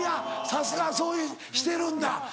さすがそうしてるんだ。